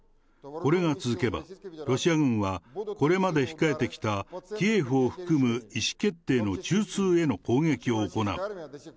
これが続けば、ロシア軍はこれまで控えてきたキエフを含む意思決定の中枢への攻